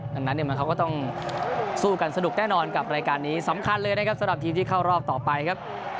ดังนั้นเนี่ยมันเขาก็ต้องสู้กันสนุกแน่นอนกับรายการนี้สำคัญเลยนะครับสำหรับทีมที่เข้ารอบต่อไปครับ